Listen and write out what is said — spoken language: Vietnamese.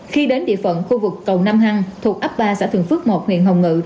khi đến địa phận khu vực cầu nam hăng thuộc ấp ba xã thường phước một huyện hồng ngự